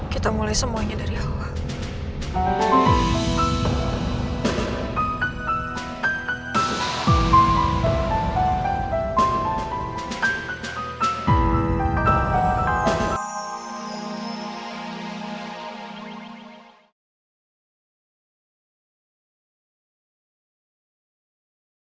kita mulai semuanya dari awal